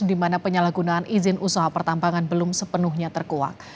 di mana penyalahgunaan izin usaha pertambangan belum sepenuhnya terkuak